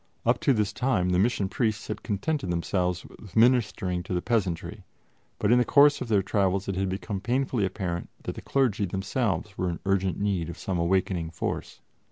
Up to this time the Mission Priests had contented themselves with ministering to the peasantry, but in the course of their travels it had become painfully apparent that the clergy themselves were in urgent need of some awakening force.